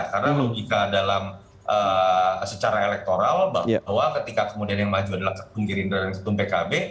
karena logika dalam secara elektoral bahwa ketika kemudian yang maju adalah gerindra dan setung pkb